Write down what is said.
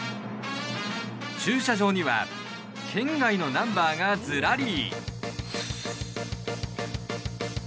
駐車場には県外のナンバーがずらり。